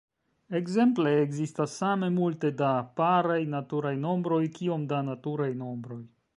Ekzemple, ekzistas same multe da paraj naturaj nombroj kiom da naturaj nombroj.